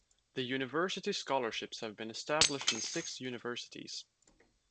The University Scholarships have been established in six universities.